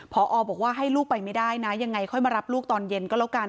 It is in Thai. พอบอกว่าให้ลูกไปไม่ได้นะยังไงค่อยมารับลูกตอนเย็นก็แล้วกัน